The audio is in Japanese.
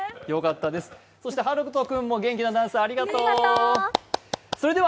はると君も元気なダンスありがとう！